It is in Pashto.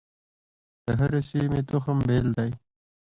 د هرې سیمې تخم بیل دی.